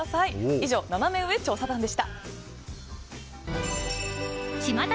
以上、ナナメ上調査団でした。